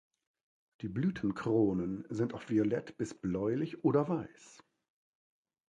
Die Blütenkronen sind oft violett bis bläulich oder weiß.